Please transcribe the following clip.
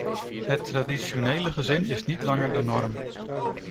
Het traditionele gezin is niet langer de norm.